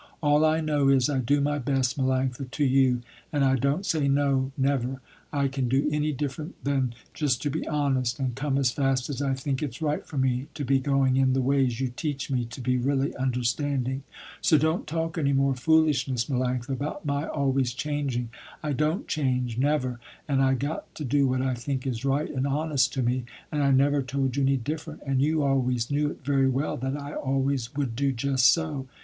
All I know is I do my best, Melanctha, to you, and I don't say, no, never, I can do any different than just to be honest and come as fast as I think it's right for me to be going in the ways you teach me to be really understanding. So don't talk any more foolishness, Melanctha, about my always changing. I don't change, never, and I got to do what I think is right and honest to me, and I never told you any different, and you always knew it very well that I always would do just so.